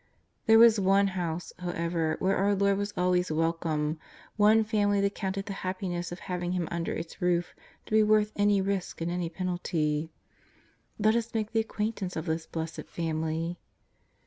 There was one house, how^ever, where our Lord was always w^elcome, one family that counted the happiness of having Ilim under its roof to be worth any risk and any penalty. Let us make the acquaintance of this blessed family.